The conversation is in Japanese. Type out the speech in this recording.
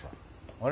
あれ？